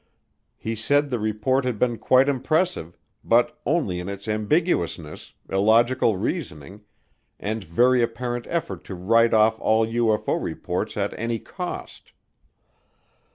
He said the report had been quite impressive, but only in its ambiguousness, illogical reasoning, and very apparent effort to write off all UFO reports at any cost.